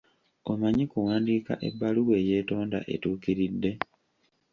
Omanyi kuwandiika ebbaluwa eyeetonda etuukiridde?